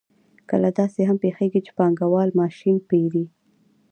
کله داسې هم پېښېږي چې پانګوال ماشین پېري